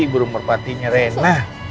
gurung merpatinya rena